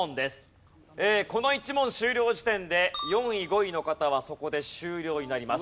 この１問終了時点で４位５位の方はそこで終了になります。